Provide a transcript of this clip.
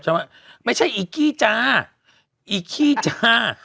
เขาบอกว่าไม่ใช่อีกกี้จ้าอีกกี้จ้า